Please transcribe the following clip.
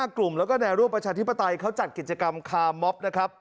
กลุ่มแล้วก็แนวร่วมประชาธิปไตยเขาจัดกิจกรรมคาร์มอบนะครับ